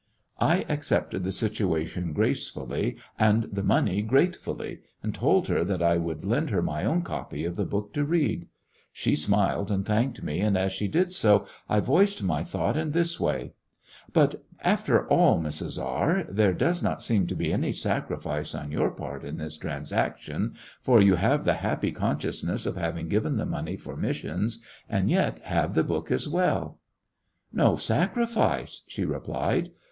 I accepted the situation gracefdUy and the money gratefnllyy and told her that I would lend her my own copy of the book to read. She smiled and thanked me, and as she did so I voiced my thought in this way : "But, after aU, Mrs. B j there does not seem to be any sacrifice on your part in this transaction, for you have the happy conscious ness of having given the money, for missions, and yet have the book as welL" "No sacrifice t" she replied.